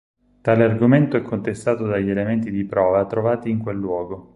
Tale argomento è contestato dagli elementi di prova trovati in quel luogo.